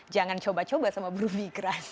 jangan coba coba sama buruh migran